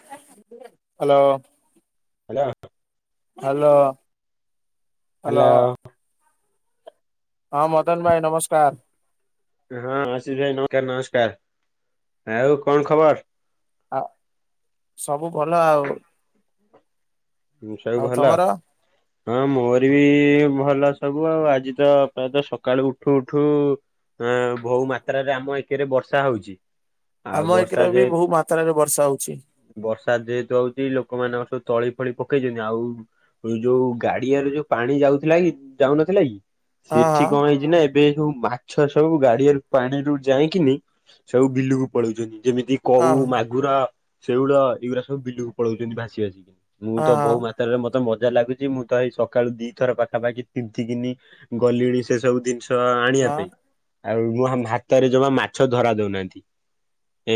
Hello. ହେଲା। Hello. Hello. ହଁ ମଦନ ଭାଇ ନମସ୍କାର। ହଁ ଆଶିଶ୍ ଭାଇ ନମସ୍କାର ନମସ୍କାର ଆଉ କଣ ଖବର? ଆ ସବୁ ଭଲ ଆଉ। ଉଁ ସବୁ ଆଉ ଭଲ? ତମର? ହଁ ମୋର ବି ଭଲ ସବୁ ଆଉ ଆଜି ତ ପ୍ରାୟତଃ ସକାଳୁ ଉଠୁ ଉଠୁ ଅ ଭଉ ମାତ୍ରାରେ ଆମ ଏକେରେ ବର୍ଷା ହଉଚି। ଆମ ଏକେରେ ବି ବହୁ ମାତ୍ରାରେ ବର୍ଷା ହଉଛି। ବର୍ଷା ଯେହେତୁ ହଉଛି ଲୋକ ମାନଙ୍କ ସବୁ ତଳି ଫଣି ପକେଇଛନ୍ତି ଆଉ ଯୋଉ ଗାଡିଆରେ ଯୋଉ ପାଣି ଯାଉଥିଲା କି ଯାଉନଥିଲା କି? ହଁ ସେଠି ହଁ କଣ ହେଇଛି ନାଁ ଏ ଏବେ ସବୁ ମାଛ ସବୁ ଗାଡିଆରୁ ପାଣିରୁୁ ଯାଇକିନି ସବୁ ବିଲୁକୁ ପଳଉଛନ୍ତି ଯେମିତି ହଁ କଉ ମାଗୁର ସେଉଳ ଏଇଗୁରା ସବୁ ବିଲୁକୁ ପଳଉଛନ୍ତି ଭାସି ଭାସିକି ମୁଁ ହଁ ତ ବହୁ ମା ତ୍ରାରେ ମତେ ମଜା ଲାଗୁଛି ମୁଁ ତ ଏଇ ସକାଳୁ ଦିଥର ପାଖାପାଖି ତିନ୍ତିକିନି ଗଲିଣି ସେ ସବୁ ଦିନି ଟ ହଁ ଆଣିବା ହଁ। ପାଇଁ ଆଉ ମୋ ଭାତରେ ଜମା ମାଛ ଧରା ଦଉନାହାନ୍ତି।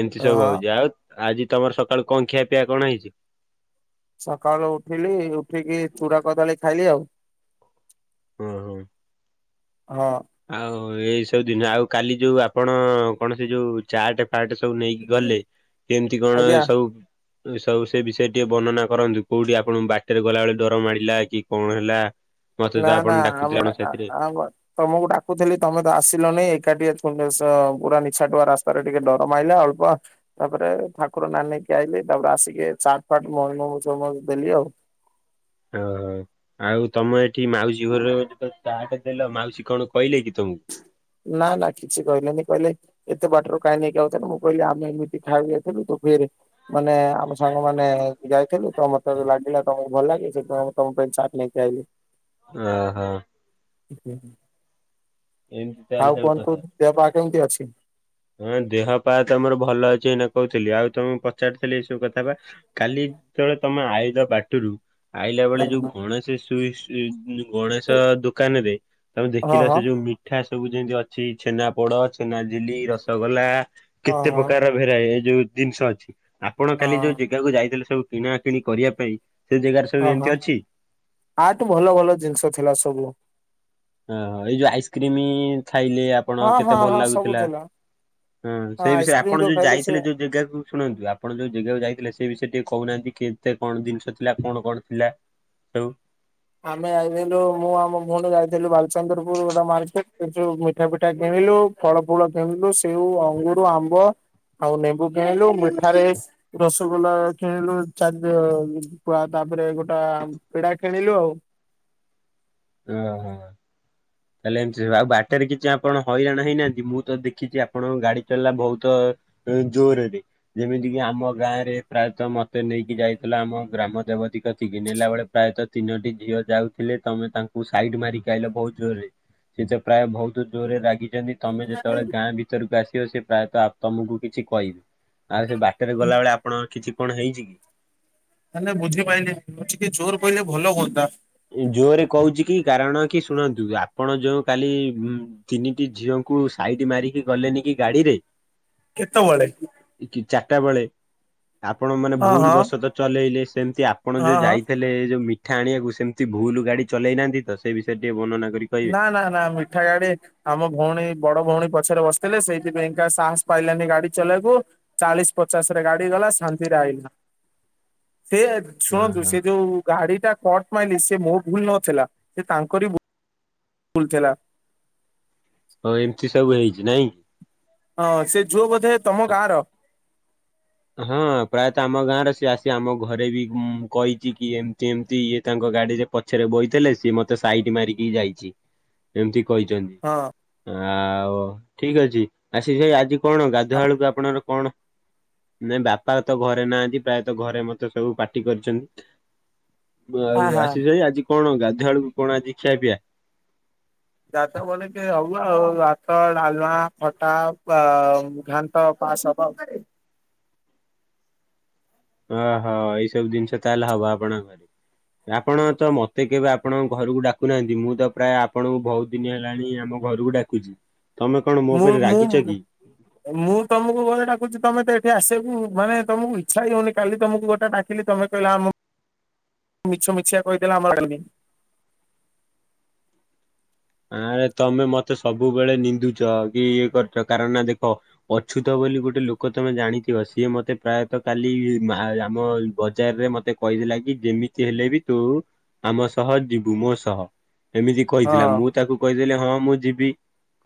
ଏମିତି ସବୁ ହଁ ହଉଛି ଆଉ ଆଜି ତମର ସକାଳୁ କଂଖିଆ ପିଆ କଣ ହେଇଛି? ସକାଳୁ ଉଠିଲି ଉଠିକି ଚୁଡା କଦାଳୀ ଖାଇଲି ଆଉ। ଓହୋ। ହଁ। ଆଉ ଏଇ ସବୁ ଦିନ ଆଉ କାଲି ଯୋଉ ଆପଣ କୌଣସି ଯୋଉ ଚାଟେ ଫାଟେ ସବୁ ନେଇକି ଗଲେ କେମିତି କଣ ଆଜ୍ଞା ସବୁ ସବୁ ସେ ବିଷୟରେ ଟିକେ ବର୍ଣ୍ଣନା କରନ୍ତୁ କୋଉଠି ଆପଣଙ୍କୁ ବାଟରେ ଗଲାବେଳେ ଡର ମାଡ଼ିଲା କି କଣ ହେଲା? ମତେ ତ ନାଁ ଆପଣ ନାଁ ଡାକୁଥିଲେ ଆମେ କଣ ଆ ସେଥିରେ ଆମ ତମକୁ ଡାକୁୁଥିଲି ତମେ ତ ଆସିଲନି ଏକା ଟିଆ [unintelligible] ପୁରା ନିଛା ଟୁଆ ରାସ୍ତାରେ ଟିକେ ଡର ମାଇଲା ଅଳ୍ପ। ତାପରେ ଠାକୁର ନାଁ ନେଇକି ଆଇଲି ତାପରେ ଆସିକି ଚାଟ୍ ଫାଟ ମନୋଜମ ଦେଲି ଆଉ। ଓ ହୋ। ଆଉ ତମ ଏଠି ମାଉସୀ ଘରେ ତ ଚାଆଟେ ଦେଲ ମାଉସୀ କଣ କହିଲେ କି ତମକୁ? ନାଁ ନାଁ କିଛି କହିନାନ୍ତି କହିଲେ ଏତେ ବାଟରେ କାହିଁ ନେଇକି ଆଉଥିଲୁ ମୁଁ କହିଲି ଆମେ ଏମିତି ଖାଇକି ଏଥିଲୁ ତୁ ଫେରେ ମାନେ ଆମ ସାଙ୍ଗମାନେ ଯାଇଥିଲୁ ତ ମତେ ଲାଗିଲା ତମକୁ ଭଲ ଲାଗେ ସେଥିପାଇଁ ମୁଁ ତମ ପାଇଁ ଚାର୍ଟ ନେଇକି ଆଇଲି। ଓହୋ। [unintelligible] ଏମିତି ତାହେଲେ ଆଉ ସବୁ କଣ କଥା। କୁହନ୍ତୁ ଦେହ ପା କେମିତି ଅଛି? ହଁ ଦେହ ପା ତମର ଭଲ ଅଛି ଏଇନା କହୁଥିଲି ଆଉ ତମେ ପଚାରିଥିଲି ଏଇ ସବୁ କଥା ପା। କାଲି ତଳେ ତମେ ଆଇଲ ବାଟରୁ ଆଇଲା ବେଳେ ହଁ ଯୋଉ ଗଣେଶେ ସୁ [unintelligible] ଗଣେଶ ଦୋକାନରେ ତମେ ଦେଖିଲ ହଁ ସେ ଯୋଉ ମି ମିଠା ସବୁ ଯେମିତି ଅଛି ଛେନା ପୋଡ ଛେନାଝିଲି ରସଗୋଲା ହଁ କେତେ ହଁ ପ୍ରକାର ଭେରା ଏ ଯୋଉ ଦିନିଷ ଅଛି ଆପଣ ହଁ କାଲି ଯୋଉ ଜେଗାକୁ ଯାଇଥିଲେ ସବୁ କିଣା କିିଣି କରିବା ପାଇଁ ସେଇ ଜେଗାରେ ହଁ ସବୁ ହଁ ଏମିତି ଅଛି? ଆଠୁ ଭଲ ଭଲ ଜିନିଷ ଥିଲା ସବୁ। ଓହୋ ଏଇ ଯୋଉ ଆଇସ୍କ୍ରିମ ଖାଇଲେ ଆପଣ ହଁ ହଁ କେତେ ହଁ ଭଲ ସବୁ ଲାଗୁଥିଲା। ଥିଲା ହଁ ସେଇଠି ସେ ଆଇସ୍କ୍ରିମ ଆପଣ ଯୋଉ ଖାଇଲୁ ସେ ଯାଇଥିଲେ ଯୋଉ ଜେଗାକୁ ଶୁଣନ୍ତୁ ଆପଣ ଯୋଉ ଜାଗାକୁ ଯାଇଥିଲେ ସେ ବିଷୟରେ ଟିକେ କହୁନାହାନ୍ତି କେତେ କଣ ଜିନିଷ ଥିଲା କଣ କଣ ଥିଲା। ସବୁ। ଆମେ ଯାଇଥିଲୁ ମୁଁ ଆଉ ମୋ ଭଉଣୀ ଯାଇଥିଲୁ ବାଲଚନ୍ଦ୍ରପୁର ଗୋଟେ ମାଲ୍ ଟେକ ହେଟୁ ମିଠା ପିଠା କିଣିଲୁ। ଫଳ ଫୁଳ କିଣିଲୁ ସେଉ ଅଙ୍ଗୁରୁ ଆମ୍ବ ଆଉ ନେମ୍ବୁ କିଣିଲୁ ମିଠାରେ ରସଗୋଲା କିଣିଲୁ ଚାରିଦ ତାପରେ ଗୋଟା ପେଡା କିଣିଲୁ ଆଉ। [inaudible] ଓ ହୋ। ହ ତାଲେ ଏମତି ଆଉ ବାଟରେ କିଛି ଆପଣ ହଇରାଣ ହେଇନାହାନ୍ତି ମୁଁ ତ ଦେଖିଛି ଆପଣଙ୍କ ଗାଡି ଚଲିଲା ବହୁତ ହ ଜୋରରେ। ଯେମିତି କିି ଆମ ଗାଁରେ ପ୍ରାୟତଃ ମତେ ନେଇକି ଯାଇଥିଲା ଆମ ଗ୍ରାମ ଦେବତୀ କତିକି ନେଲା ବେଳେ ପ୍ରାୟତଃ ତିନୋଟି ଝିଅ ଯାଉଥିଲେ ତମେ ତାଙ୍କ ସାଇଡ ମାରିକି ଆଇଲ ବହୁତ ଜୋରରେ ସେ ତ ପ୍ରାୟ ବହୁତ ଜୋରରେ ରାଗିଛନ୍ତି ତମେ ଯେତେବେଳେ ଗାଁ ଭିତ ଭିତରକୁ ଆସିବ ସେ ପ୍ରାୟତ ତମକୁ କିଛି କହିବେ। ଆଉ ସେ ବାଟରେ ଗଲାବେଳେ ଆପଣଙ୍କ କିଛି କଣ ହେଇଛି କି? ମାନେ ବୁଝିପାଇଲିିନି ଟିକେ ଜୋରରେ କହିଲେ ଭଲ ହୁଅନ୍ତା। ଜୋରରେ କହୁଛି କି କାରଣ କି ଶୁଣନ୍ତୁ ଆପଣ ଯୋଉ କାଲି। ତିନିଟି ଝିଅଙ୍କୁ ସାଇଡି ମାରିକି ଗଲେନି କି ଗାଡିରେ। କେତେବେଳେ? କି ଚାରଟା ବେଳେ ଆପଣ ମାନେ ହଁ ଭୁଲ ହଁ ବଶତ ଚଲେଇଲେ ସେମତି ଆ ଆପଣ ହଁ ଯଉଁ ହଁ ଯାଇଥିଲେ ଯଉ ମିଠା ଆଣିବାକୁ ସେମିତି ଭୁଲ ଗାଡ଼ି ଚଲେଇନାହାନ୍ତି ତ ସେ ବିଷରେ ଟିକେ ବର୍ଣନା କରିି ନା ନା ନା ମିଠା ଗାଡ଼ି। ଆମ ଭଉଣୀ ବଡ ଭଉଣୀ ପଛରେ ବସିଥିଲେ ସେଇଥିପାଇଁକା ସାହସ ପାଇଲାନି ଗାଡି ଚଲେଇବାକୁ। ଚାଳିଶ ପଚାଶରେ ଗାଡି ଗଲା ଶାନ୍ତିରେ ଆଇଲା ସେ ହଁ ଶୁଣନ୍ତୁ ହଁ ସେ ଯୋଉ ଗାଡିଟା କଟ ମାଇଲି ସେ ମୋ ଭୁଲ ନଥିଲା ସେ ତାଙ୍କରି ଭୁ ଭୁଲ୍ ଥିଲା। ଓ ଏମତି ସବୁ ହେଇଛି ନାଇଁ। ହଁ ସେ ଝୁଅ ବୋଧେ ତମ ଗାଁର। ହଁ ପ୍ରାୟତଃ ଆମ ଗାଁରେ ସିଏ ଆସି ଆମ ଘରେ ବି କହିଛି କି ଏମତି ଏମତି ଇଏ ତାଙ୍କ ଗାଡିରେ ପ ପଛରେ ବଇଥିଲେ ସିଏ ମତେ ସାଇଟ ମାରିକି ଯାଇଛି ଏମିତି କହିଛନ୍ତି। ହଁ। ଆଉ ଠିକ ଅଛି ଆସିସ୍ ଭାଇ ଆଜି କଣ ଗାଧୁଆବେଳୁକୁ ଆପଣର କଣ? ନାଇ ବାପା ତ ଘରେ ନାହାନ୍ତି ପ୍ରାୟତଃ ଘରେ ମତେ ସବୁ ପାଟି କରିଛ ହଁ ଆଉ ହଁ। ଆସିସ୍ ଭାଇ ଆଜି କଣ ଗାଧୁଆଳକୁ କଣ ଆଜି ଖିଆପିଆ। ଯାହାତ ବୋଲେକେ ଅରୁଆ ଆଉ ଭାତ ଡାଲମା ଖଟା ଆଉ ଘା ଘାଣ୍ଟ ପାସ୍ ହବ। ଅହ ଏଇ ସବୁ ଜିନିଷ ତାହେଲେ ହବ ଆପଣଙ୍କ ଘରେ। ଆପଣ ତ ମତେ କେବେ ଆପଣଙ୍କ ଘରକୁ ଡାକୁନାହାନ୍ତି, ମୁଁ ତ ପ୍ରାୟ ଆପଣଙ୍କୁ ବହୁତ ବହୁତ୍ ଦିନ ହେଲାଣି ଆମ ଘରକୁ ଡାକୁଛି ତମେ କଣ ମୋ ମୁଁ ଉପରେ ରାଗିଛ ମୁଁ। କି? ମୁଁ ତମକୁ ବହେ ଡାକୁଛି ତମେ ତ ଏଠି ଆସିଵାକୁ ମାନେ ତମକୁ ଇଛା ହିଁ ହଉନି କାଲି ତମକୁ ଗୋଟେ ଦେଲି ତମେ କହିଲା ମିଛମିଛିଆ କହିଦେଲ ଆମର ହେଲାନି ଆରେ ତମେ ମତେ ସବୁବେଳେ ନିନ୍ଦୁଛ କି ଇଏ କରୁଛ କାରଣ ନା ଦେଖ। ଅଛୁତ ବୋଲି ଗୋଟେ ଲୋକ ତମେ ଜାଣିଥିବ, ସିଏ ମତେ ପ୍ରାୟତଃ କାଲି ଆମ ବଜାରରେ ମତେ। କହିଦେଲା କି ଯେମିତି ହେଲେ ବି ତୁ ଆମ ସହ ଯିବୁ ମୋ ସହ ଏମିତି କହିଥିଲା ହଁ ମୁଁ ତାକୁ କହିଦେଲେ ହଁ ମୁଁ ଯିବି।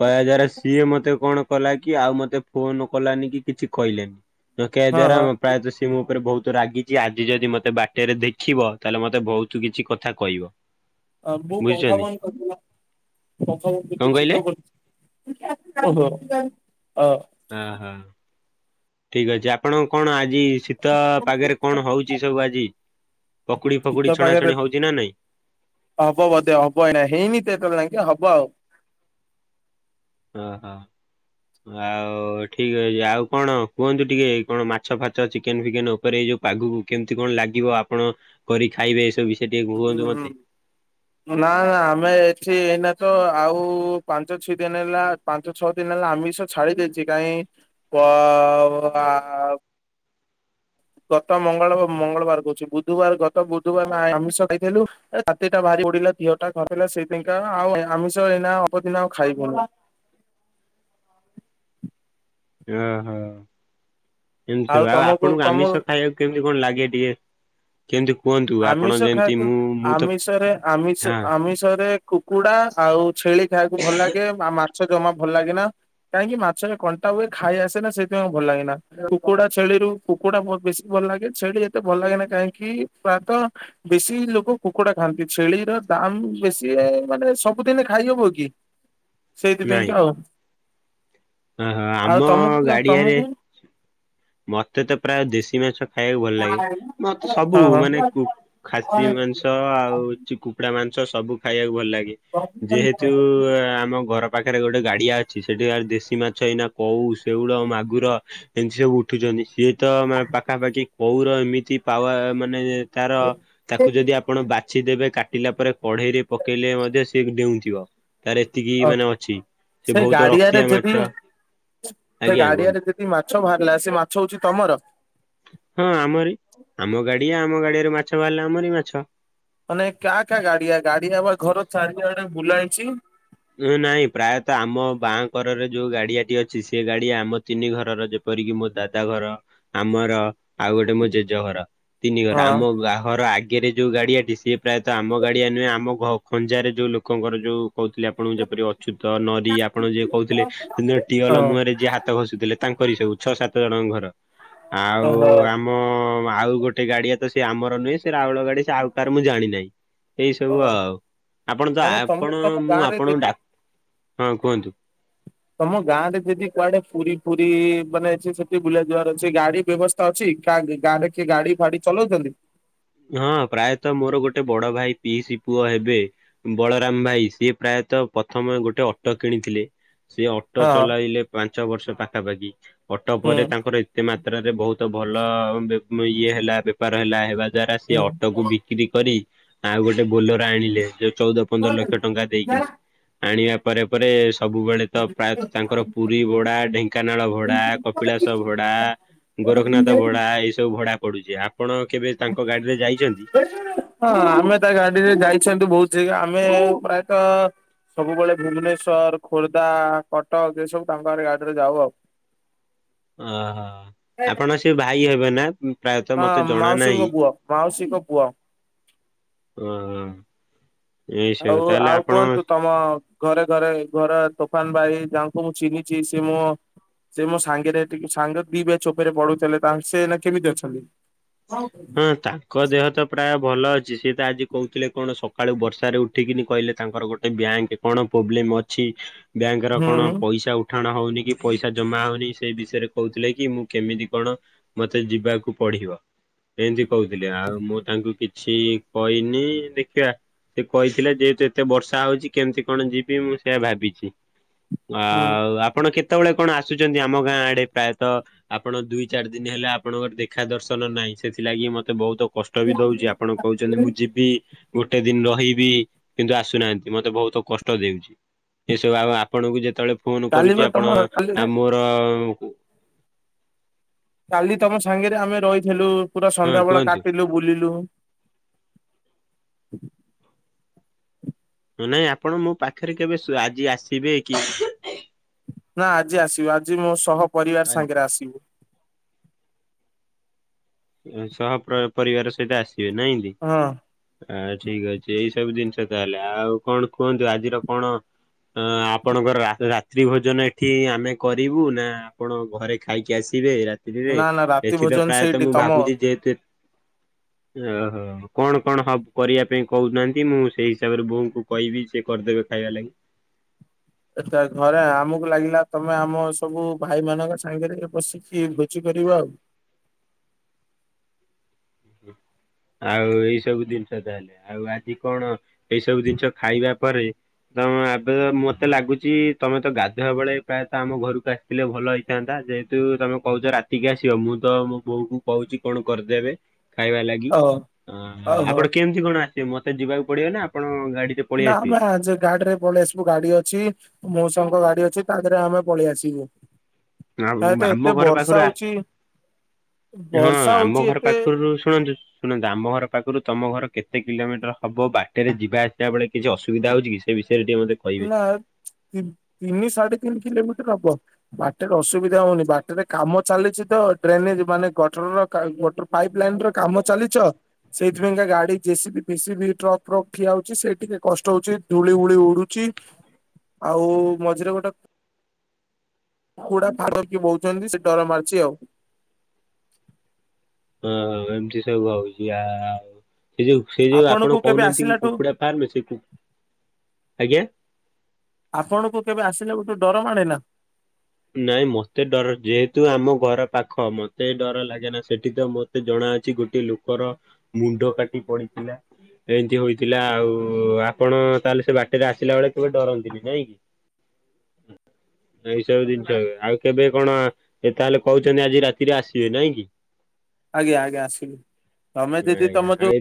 କହିବା ଦ୍ଵାରା ସିଏ ମତେ କଣ କଲା କି ଆଉ ମତେ ଫୋନ କଲାନି କି କିଛି କହିଲାନି। ତ କେ ହଁ ଦ୍ଵାରା ହଁ ପ୍ରାୟତଃ ସିଏ ମୋ ଉପରେ ବହୁତ ରାଗି ଆଜି ଯଦି ମତେ ବାଟରେ ଦେଖିବ ତାହେଲେ ମତେ ବହୁତ କିଛି କଥା କହିବ। ବୁଝୁଛନ୍ତି କଣ କହିଲେ? [inaudible] ଓହୋ ଅ। ଓହ ଠିକ ଅଛି ଆପଣ କଣ ଆଜି ଶୀତ ପାଗରେ କଣ ହଉଛି ସବୁ ଆଜି ପକୁଡି ଶୀତ ଫକୁଡି ପାଗରେ ଛଣାଛଣି ହଉଛି ନା ନାଇଁ। ହବ ବଧେ ହବ ଏଇନା ହେଇନି ତ ଏତେବେଳ ଯାଆଁକେ ହବ ଆଉ। ଅ ହ। ଆଉ ଏଠି ଆଉ କଣ, କୁହନ୍ତୁ ଟିକେ କଣ ମାଛ ଫାଚ ଚିକେନ୍, ଫିକେନ ଉପରେ ଏଇ ଯୋଉ ଆଗକୁ କେମିତି କଣ ଲାଗିବ ଆପଣ କରି ଖାଇବେ ଏସବୁ ବି ହୁଁ ହୁଁ। ନା ନା, ଆମେ ଏଠି ଏଇନା ତ ଆଉ ପାଞ୍ଚ ଛି ଦିନ ହେଲା ପାଞ୍ଚ ଛଅ ଦିନି ହେଲା ଆମିଷ ଛାଡି ଦେଇେଇଛି କାହିଁ, ପ ଆ ଗତ ମଙ୍ଗଳ ମଙ୍ଗଳବାର କହୁଛି ବୁଧବାର ଗତ ବୁଧବାର ଆମିଷ ଖାଇଥିଲୁ। ରାତିଟା ଭାରି ବଡିଲା ଦିହଅଟା ଖସଲା ସେଇଥିକା ଆଉ ଆଉ ଆମିଷ ଏଇନା ଅପଦିନ ଆଉ ଖାଇବୁନି ଓହୋ। ଏମତି ସବୁ, ଆଉ ତମକୁ ଆପଣଙ୍କୁ ତମ ଆମିଷ ଖାଇବାକୁ କେମିତି କଣ ଲାଗେ ଟିକେ କେମିତି କୁହନ୍ତୁ? ଆପଣ ଆମିଷ ଯେମିତି ଖାସ୍ କରି, ମୁଁ ମୁଁ ତ ଆମି ସରେ, ଆମିଷ- ହଁ ଆମିଷରେ ଖୁ କୁକୁଡା ଆଉ ଛେଳି ଖାଇବାକୁ ଭଲ ଲାଗେ। ମା-ମାଛ ଜମା ଭଲ ଲାଗେନା। କାହିଁକି ମାଛରେ କଣ୍ଟା ହୁଏ, ଖାଇ ଆସେନା ସେଥିପାଇଁ ଭଲ ଲାଗେ ନା। କୁକୁଡା ଛେଳିରୁ କୁକୁଡା ମୋର ବେଶୀ ଭଲ ଲାଗେ। ଛେଳି ଏତେ ଭଲ ଲାଗେ ନା କାହିଁକି ପ୍ରୟାତ ବେଶୀ ଲୋକ କୁକୁଡା ଖାଆନ୍ତି। ଛେଳିର ଦାମ୍ ବେଶି ମାନେ ସବୁଦିନେ ଖାଇହବ କି? ସେଇଥିପାଇଁ ନାଇଁ କା ଆଉ। ଓହୋ ଆମ ଆଉ ତମକୁ, ଗାଡିଆରେ ତମକୁ? ମତେ ତ ପ୍ରାୟ ଦେଶୀ ମାଛ ଖାଇବାକୁ ଭଲ ଲାଗେ। ମତେ ସବୁ ମାନେ କୁ-ଖାସି ହଁ ମାଂସ ତ ଆଉ ଚି କୁକୁଡ଼ା ମାଂସ ସବୁ ଖାଇବାକୁ ଭଲ ଲାଗେ। ଯେହେତୁ ଆମ ଘର ପାଖରେ ଗୋଟେ ଗାଡିଆ ଅଛି। ସେଠି ଆ ଦେଶୀ ମାଛ ଏଇନା କଉ ସେଉଳ ମାଗୁର ଏମିତି ସବୁ ଉ ଉଠୁଛନ୍ତି। ସିଏ ତ ପାଖାପାଖି କଉଁର ଏମିତି ପାୱ ମାନେ ତାର ତାକୁ ଯଦି ଆପଣ ବାଛିଦେବେ କାଟିଲା ପରେ କଢେଇରେ ପକେଇଲେ ମଧ୍ୟ ସିଏ ଡେଉଁଥିବ। ତାର ଏତିକି ହଁ। ମାନେ ଅଛି। ସେ ବହୁତ ଗାଡିଆରେ ରକ୍ତିଆ ମାଛ ଯଦି ସେ ଆଜ୍ଞା କୁହନ୍ତୁ। ଗାଡିଆରେ ମାଛ ବାହାରିଲା ସେ ମାଛ ହଉଛି ତମର? ହଁ ଆମରି। ଆମ ଗାଡିଆ ଆମ ଗାଡିଆରେ ମାଛ ବାହାରିଲା ଆମରି ମାଛ। ମାନେ କାହା କାହା ଗାଡିଆ? ଗାଡିଆ ବା ଘର ଚାରି ଆଡେ ବୁଲା ହେଇଛି। ନାଇଁ ପ୍ରାୟତଃ ଆମ ବାଁଙ୍କରରେ ଯୋଉ ଗାଡିଆଟି ଅଛି, ସେ ଗାଡିଆ ଆମ ତିନି ଘରର ଯେ ଯେପରିକି ମୋ ଦାଦା ଘର, ଆମର ଆଉ ଗୋଟେ ମୋ ଜେଜେ ଘର। ତିନି ଘର। ହଁ। ଆମ ଘର ଆଗ ଆଗରେ ଯୋଉ ଗାଡିଆଟି, ସିଏ ପ୍ରାୟତ ଆମ ଗାଡିଆ ନୁହେଁ। ଆମ ଖଞ୍ଜାରେ ଯୋଉ ଲୋକଙ୍କର ଯୋଉ କହୁଥିଲେ ଆପ ଆପଣଙ୍କୁ ଯେପରି ଅଚ୍ୟୁତ ନରି ଆପଣ ଯିଏ କହୁଥିଲେ, ସେ ଟିଅଲ ହଁ ମୁହରେ ଯିଏ ହା ଘଷୁଥିଲେ ତାଙ୍କରି ସବୁ, ଛଅ ସାତ ଜଣଙ୍କ ଘର। ଆଉ ଓହୋ। ଆମ ଆମ ଆଉ ଗୋଟେ ଗାଡିଆ ତ ସେ ଆମର ନୁହେଁ ସେ ରାଉଳ ଗାଡି ସେ ଆଉ କାହାର ମୁଁ ଜାଣିନାହିଁ। ଏଇ ସବୁ ଓହୋ ଆଉ। ଆପଣ ତ ମାନେ ତମେ ଆପଣ ତମ ମୁଁ ଗାଁରେ ଆପଣଙ୍କୁ ଯଦି ଡା- ହଁ କୁହନ୍ତୁ। ତମ ଗାଁ ରେ ଯଦି କୁଆଡେ ପୁରୀ ପୁରୀ ମାନେ ଅଛି ସେଠି ବୁଲା ଯିବାର ଅଛି, ସେଠି ଗାଡି ବ୍ୟବସ୍ଥା ତ ଅଛି ଗାଁରେ କିଏ ଗାଡି ଫାଡି ଚଲାଉଛନ୍ତି? ହଁ ପ୍ରାୟତଃ ମୋର ଗୋଟେ ବଡ ଭାଇ ପିଇସି ପୁଅ ହେବେ ବଳରାମ ଭାଇ ସିଏ ପ୍ରାୟତଃ ପ୍ରଥମେ ଗୋଟେ ଅଟୋ କିଣିଥିଲେ। ସେ ଅଟୋ ହଁ ଚଲାଇଲେ ପାଞ୍ଚ ବର୍ଷ ପାଖାପାଖି। ଅଟୋ ହୁଁ। ପରେ ତାଙ୍କର ଏତେ ମାତ୍ରାରେ ବହୁ ତ ଭଲ ଇଏ ହେଲା ବେପାର ହେଲା, ହେବା ଦ୍ଵାରା ସିଏ ହଁ ଅଟୋକୁ ବି ଚାକିରି କରି ଆଉ ଗୋଟେ ବୋଲର ଆଣିଲେ, ଯୋଉ ଚଉଦ ପନ୍ଦର ଲକ୍ଷ ଟଙ୍କା ଦେଇକିନି। ଆଣିବା ପରେ ପରେ ସବୁବେଳେ ତ ପ୍ରାୟ ତାଙ୍କର ପୁରୀ ଭଡା, ଢେଙ୍କାନାଳ ଭଡା, କପିଳାସ ଭଡା ଗୋରଖନାଥ ଭଡା, ଏଇ ସବୁ ଭଡା ପଡୁଛି। ଆପଣ କେବେ ତାଙ୍କ ଗାଡିରେ ଯାଇଛନ୍ତି? ହଁ ଆମେ ତା ଗାଡିରେ ଯାଇଛନ୍ତି ବୋହୁତ୍ ଜାଗା, ଆମେ ପ୍ରାୟତ ସବୁବେଳେ ଭୁବନେଶ୍ଵର, ଖୋର୍ଦ୍ଧା, କଟକ ଏ ସବୁ ତାଙ୍କରି ଆ ଗାଡିରେ ଯାଉ ଆଉ। ଓହୋ। ଆପଣ ସେ ଭାଇ ହେବେ ନା? ପ୍ରାୟତଃ ହଁ ମତେ ଜଣା ନାହିଁ ମାଉସୀଙ୍କ ପୁଅ। ମାଉସୀଙ୍କ ପୁଅ। ଓ ଆଃ ଆଉ ଆଉ କୁହନ୍ତୁ ତମ ଘରେ ଘରେ ଘର ତୋଫାନ ବାଇ ଯାହାଙ୍କୁ ମୁଁ ଚିହ୍ନିଛି ସିଏ ମୋ ସେ ମୋ ସାଙ୍ଗରେ ଟିକେ ସାଙ୍ଗ ଦିିବେ ଚୋପରେ ପଢୁଥିଲେ ତାଲେ ସେନା କେମିତି ଅଛନ୍ତି? ହଁ ଭଲ। ହଁ ତାଙ୍କ ଦେହ ତ ପ୍ରାୟ ଭଲ ଅଛି ସିଏ ତ ଆଜି କହୁଥିଲେ କଣ ସକାଳୁ ବର୍ଷାରେ ଉଠିକିନି କହିଲେ ତାଙ୍କର ଗୋଟ ବ୍ୟାଙ୍କ କଣ ପ୍ରୋବ୍ଲେମ ଅଛି ବ୍ୟାଙ୍କର ହୁଁ କଣ ହୁଁ ପଇସା ଉ ଉଠାଣ ହଉନି କି ପଇସା ଜମା ହଉନି ସେ ବିଷୟରେ କହୁଥିଲେ କି ମୁଁ କେମିତି କଣ ମତେ ଯିବାକୁ ପଡିବ। ଏମିତି କହୁଥିଲି ଆଉ ମୁଁ ତାଙ୍କୁ କିଛି କହିନି ଦେଖିବା ସେ କହିଥିଲେ ଯେହେତୁ ଏତେ ବର୍ଷା ହଉଛି କେମିତି କଣ ଯିବି ମୁଁ ସେଆ ଭାବିଛି ହୁଁ ଆଉ ଆପଣ କେତେ ସେତେବେଳେ କଣ ଆସୁଛନ୍ତି ଆମ ଗାଁ ଆଡେ ପ୍ରାୟତଃ ଆପଣ ଦୁଇ ଚାରି ଦିନ ହେଲା ଆପଣଙ୍କର ଦେଖା ଦର୍ଶ ନାହିଁ ସେଥିଲାଗି ମତେ ବହୁତ କଷ୍ଟ ବି ଦଉଛି ଆପଣ କହୁଛନ୍ତି ମୁଁ ଯିବି ଗୋଟେ ଦିନ ରହିିବି କିନ୍ତୁ ଆସୁନାହାନ୍ତି ମତେ ବହୁତ କଷ୍ଟ ଦେଉଛି ଏସବୁ ଆଉ ଆପଣଙ୍କୁ ଯେତେବେଳେ ଫୋନ କାଲି ବା କରୁଛି ତମ ଆପଣ କାଲି ଆ ମୋର କାଲି ତମ ସାଙ୍ଗରେ ଆମେ ରହିଥିଲୁ ପୁରା ହଁ ସନ୍ଧ୍ୟା ବେଳେ କୁହନ୍ତୁ କାଟିଲୁ ବୁଲିଲୁ ନାଇଁ ନାଇଁ ଆପଣ ମୋ ପାଖରେ କେବେ ଆଜି ଆସିବେ କି ନା ଆଜି ଆସିବୁ ଆଜି ମୋ ସହ ପରିବାର ସାଙ୍ଗରେ ଆସିବୁ। ସହ ପ୍ର ପରିବାର ସହିତ ଆସିବେ ନାହିଁ କି? ହଁ। ଆ ଠିକ ଅଛି ଏଇ ସବୁ ଜିନିଷ ତାହେଲେ ଆଉ କଣ କୁହନ୍ତୁ ଆଜିର କଣ ଅ ଆପଣଙ୍କର ରା-ରାତ୍ରି ଭୋଜନ ଏଠି ଆମେ କରିବୁ ନା ଆପଣ ଘରେ ଖାଇକି ଆସିବେ ରାତ୍ରିରେ ନା ନା ରାତି ଏଠି ତ ଭୋଜନ ପ୍ରାୟତଃ ସେଇଠି ମୁଁ ତମ ଭାବୁଛି ଯେହେତୁ [unintelligible] ଓହୋ କଣ କଣ ହବ କରିବା ପାଇଁ କହୁନାହାନ୍ତି ମୁଁ ସେଇ ହିସାବରେ ବୋଉଙ୍କୁ କହିବି ସେ କରିଦେବେ ଖାଇବା ଲାଗି ଏଟା ଘରେ ଆମକୁ ଲାଗିଲା ତମେ ଆମ ସବୁ ଭାଇମାନାନଙ୍କ ସାଙ୍ଗରେ ବସିକି ବୋଚି କରିବ ଆଉ ହଁ। ଆଉ ଏଇ ସବୁ ଜିନିଷ ତାହେଲେ ଆଉ ଆଜି କଣ ଏଇ ସବୁ ଜିନିଷ ଖାଇବା ପରେ ତମ ଏବେ ମତେ ଲାଗୁଛି ତମେ ତ ଗାଧୁଆ ବେଳେ ପ୍ରାୟତଃ ଆମ ଘରକୁ ଆ ଥିଲେ ଭଲ ହେଇଥାନ୍ତା ଯେହେତୁ ତମେ କହୁଛ ରାତିକି ଆସିବ ମୁଁ ତ ମୋ ବୋଉ କୁ କହୁଛି କଣ କରିଦେବେ ଖାଇବା ଲାଗି ଓ ଅ ଓହୋ ଆପଣ କେମିତି କଣ ଆସିବେ ମତେ ଯିବାକୁ ପଡିବ ନା ଆପଣ ଗାଡିରେ ପଳେଇ ନାଆ ଆସିବେ। ନାଁ ଯେ ଗାଡିରେ ପଳେଇ ଆସ ମୁଁ ଗାଡି ଅଛି ମଉଷାଙ୍କ ଗାଡି ଅଛି ତା ଦେହରେ ଆମେ ପଳେଇ ଆସିବୁ ଆଉ ପ୍ରାୟତଃ ଆମ ଏତେ ଘର ବର୍ଷା ପାଖରୁ ଆ ହଉଛି। ହଁ ବର୍ଷା ଆମ ହଉଛି ଘର ଏତେ ପାଖରୁ ଶୁଣନ୍ତୁ ଶୁଣ ଆମ ଘର ପାଖରୁ ତମ ଘର କେତେ କିଲୋମିଟର ହବ ବାଟରେ ଯିବା ଆସିବା ବେଳେ କିଛି ଅସୁବିଧା ହଉଛି କି? ସେ ବିଷୟରେ ଟିକେ ମତେ କହିବେ। ନା ତିନ ତିନି ସାଢ଼େ ତିନି କିଲୋମିଟର ହବ। ବାଟରେ ଅସୁବିଧା ହଉନି ବାଟରେ କାମ ଚାଲିଛି ତ ଡ୍ରେନେଜ ମାନେ ଗଟରର ୱା ପାଇପ୍ ଲାଇନ ର କାମ ଚାଲିଛ ସେଇଥି ପାଇଁକା ଗାଡି ଯେ ସି ବି ଫେସିବି ଟ୍ରକ୍ ଫ୍ରକ୍ ଠିଆ ହଉଛି ସେ ଟିକେ କଷ୍ଟ ହଉଛି ଧୂଳି ଉଳି ଉଡୁ ଚି ଆଉ ମଝିରେ ଗୋଟେ ହୁଡା [unintelligible] ବୋଉଛନ୍ତି ସେ ଡର ମାରୁଛି ଆଉ ହଁ ଏମତି ସବୁ ହଉଛି ଆଉ ସେ ଯୋଉ ସେ ଯୋଉ ଆପଣ ଆପଣଙ୍କୁ କେବେ କହୁନାହାନ୍ତି କି ଆସିଲାଠୁ କୁକୁଡା ଫାର୍ମ ସେ କୁ ଆଜ୍ଞା ଆପଣଙ୍କୁ କେବେ ଆସିଲେ ଗୋଠୁ ଡର ମାଡେନା ନାଇଁ ମତେ ଡର ଯେହେତୁ ଆମ ଘର ପାଖ ମତେ ଡର ଲାଗେ ନା ସେଠି ତ ମତେ ତେ ଜଣା ଅଛି ଗୋଟେ ଲୋକର ମୁଣ୍ଡ କାଟି ପଡିଥିଲା? ଏନତି ହୋଇଥିଲା ଆଉ ଆପଣ ତାହେଲେ ସେ ବାଟରେ ଆସିଲା ବେଳେ କେବେ ଡରନ୍ତିନି ନାଇଁ କି? ଏଇ ସବୁ ଜିନିଷ ଆଉ କେବେ କଣ ଏ ତାହେଲେ କହିଛନ୍ତି ଆଜି ରାତିରେ ଆସିବେ ନାଇଁ କି। ଆଜ୍ଞା ଆଜ୍ଞା ଆସିବେ ତମେ ଯଦି ଆଜ୍ଞା ତମ ଯୋଉ ଆଉ